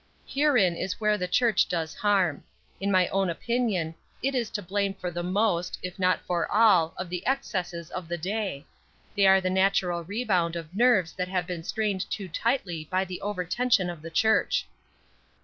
"Herein is where the church does harm. In my own opinion, it is to blame for the most, if not for all, of the excesses of the day; they are the natural rebound of nerves that have been strained too tightly by the over tension of the church."